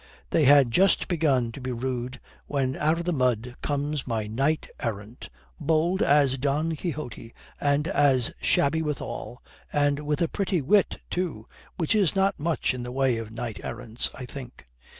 They had just begun to be rude, when out of the mud comes my knight errant, bold as Don Quixote and as shabby withal, and with a pretty wit too which is not much in the way of knight errants, I think.